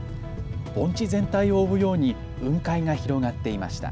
盆地全体を覆うように雲海が広がっていました。